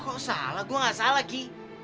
kok salah gue gak salah ki